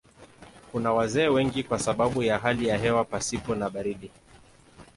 Kuna wazee wengi kwa sababu ya hali ya hewa pasipo na baridi.